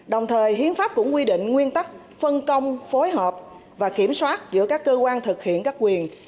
đồng thời hiến pháp cũng quy định nguyên tắc phân công phối hợp và kiểm soát giữa các cơ quan thực hiện các quyền